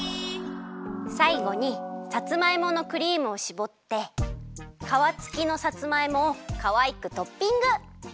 さいごにさつまいものクリームをしぼってかわつきのさつまいもをかわいくトッピング！